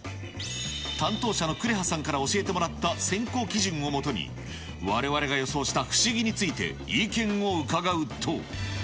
担当者の呉羽さんから教えてもらった選考基準をもとに、われわれが予想した不思議について、意見を伺うと。